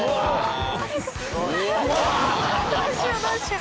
どうしようどうしよう。